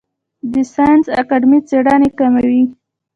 د ساینس اکاډمي څیړنې کوي